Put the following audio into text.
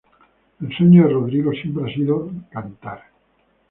El sueño de Rodrigo siempre ha sido cantar.